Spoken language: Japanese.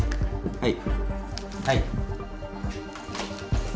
はい。